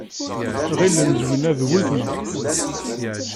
Ɣilen Zwina d weltma.